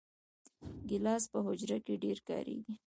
ګیلاس په حجره کې ډېر کارېږي.